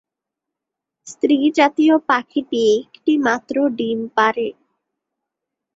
স্ত্রীজাতীয় পাখিটি একটিমাত্র ডিম পাড়ে।